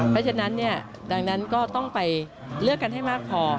เพราะฉะนั้นดังนั้นก็ต้องไปเลือกกันให้มากพอ